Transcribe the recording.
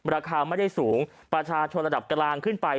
ราคาไม่ได้สูงประชาชนระดับกลางขึ้นไป